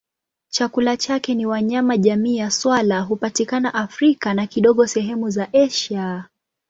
Chakula chake ni wanyama jamii ya swala hupatikana Afrika na kidogo sehemu za Asia.